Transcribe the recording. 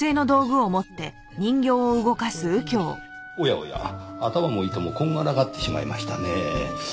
おやおや頭も糸もこんがらがってしまいましたねぇ。